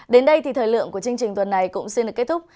đến đây thì thời lượng của chương trình tuần này cũng xin được kết thúc